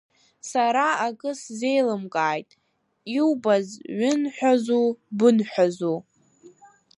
Сара акы сзеилымкааит, иубаз ҩынҳәазу, бынҳәазу?